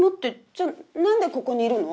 じゃあ何でここにいるの？